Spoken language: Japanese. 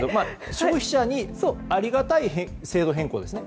消費者にありがたい制度変更ですね。